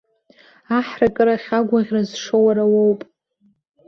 Аҳракырахь агәаӷьра зшо уара уоуп!